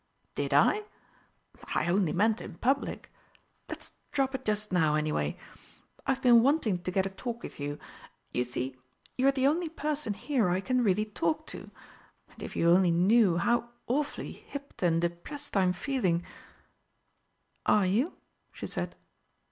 "Did I? I only meant in public. Let's drop it just now, anyway. I've been wanting to get a talk with you. You see, you're the only person here I can really talk to; and if you only knew how awfully hipped and depressed I'm feeling " "Are you?" she said.